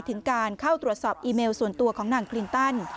ถึงการเข้าตรวจสอบอีเมลส่วนตัวของนางคลินตัน